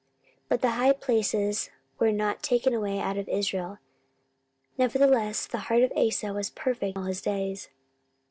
14:015:017 But the high places were not taken away out of Israel: nevertheless the heart of Asa was perfect all his days.